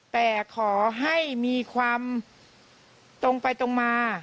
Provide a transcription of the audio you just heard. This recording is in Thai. แต่ขอให้มีความตรงไปตรงมา